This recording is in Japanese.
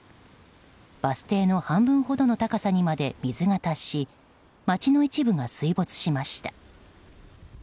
バス停の半分ほどの高さにまで水が達し街の一部が水没しました。